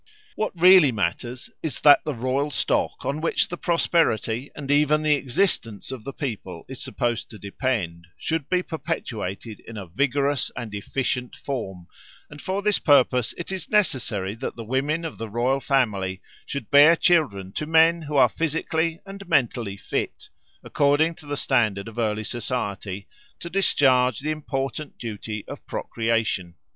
What really matters is that the royal stock, on which the prosperity and even the existence of the people is supposed to depend, should be perpetuated in a vigorous and efficient form, and for this purpose it is necessary that the women of the royal family should bear children to men who are physically and mentally fit, according to the standard of early society, to discharge the important duty of procreation.